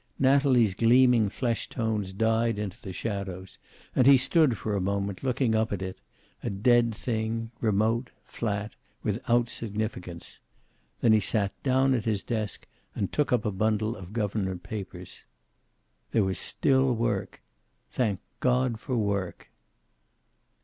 Natalie's gleaming flesh tones died into the shadows, and he stood for a moment, looking up at it, a dead thing, remote, flat, without significance. Then he sat down at his desk and took up a bundle of government papers. There was still work. Thank God for work.